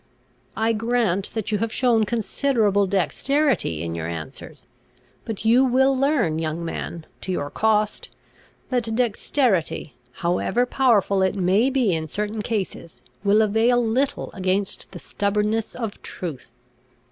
I grant that you have shown considerable dexterity in your answers; but you will learn, young man, to your cost, that dexterity, however powerful it may be in certain cases, will avail little against the stubbornness of truth.